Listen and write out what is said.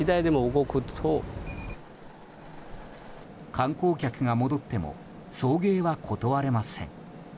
観光客が戻っても送迎は断れません。